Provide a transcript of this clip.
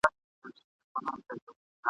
چي زندان تر آزادۍ ورته بهتر وي ..